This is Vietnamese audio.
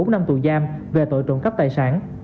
bốn năm tù giam về tội trộm cắp tài sản